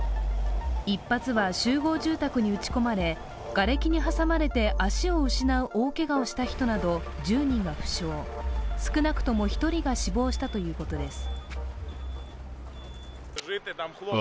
１発は集合住宅に撃ち込まれ、がれきに挟まれて足を失う大けがをした人など１０人が負傷、少なくとも１人が死亡したということです。